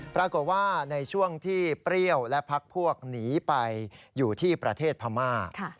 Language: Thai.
ปรากฏว่าในช่วงที่เปรี้ยวและพักพวกหนีไปอยู่ที่ประเทศพม่า